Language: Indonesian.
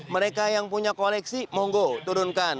mereka yang punya koleksi mohon gue turunkan